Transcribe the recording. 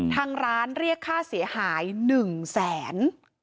ทางร้านเรียกค่าเสียหาย๑๐๐๐๐๐บาท